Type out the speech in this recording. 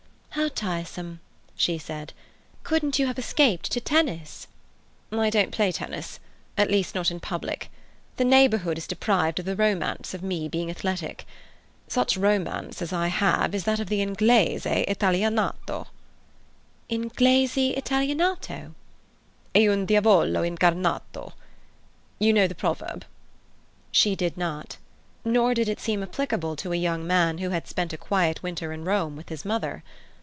"How tiresome!" she said. "Couldn't you have escaped to tennis?" "I don't play tennis—at least, not in public. The neighbourhood is deprived of the romance of me being athletic. Such romance as I have is that of the Inglese Italianato." "Inglese Italianato?" "E un diavolo incarnato! You know the proverb?" She did not. Nor did it seem applicable to a young man who had spent a quiet winter in Rome with his mother.